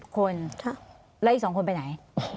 คนแล้วอีก๒คนไปไหน